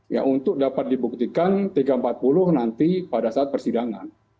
ya untuk dapat dibuktikan tiga ratus empat puluh nanti pada saat persidangan